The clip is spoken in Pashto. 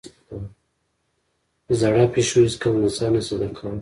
زاړه پيشو هېڅکله نڅا نه شي زده کولای.